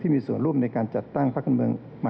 มีส่วนร่วมในการจัดตั้งพักการเมือง